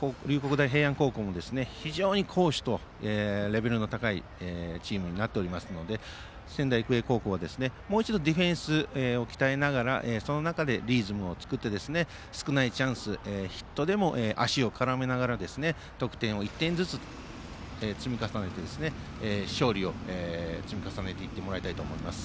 大平安高校も非常に好守とレベルの高いチームになっていますので仙台育英高校はもう一度ディフェンスを鍛えながらリズムを作って少ないチャンスヒットでも足を絡めながら得点を１点ずつ積み重ねて勝利を積み重ねていってもらいたいと思います。